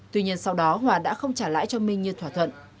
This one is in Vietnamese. tuy nhiên sau đó hòa đã không trả lãi cho minh như thỏa thuận